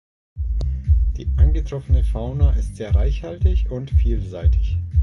Die angetroffene Fauna ist sehr reichhaltig und vielseitig.